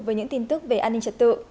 với những tin tức về an ninh trật tự